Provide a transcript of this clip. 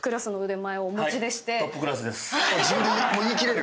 自分で言い切れる。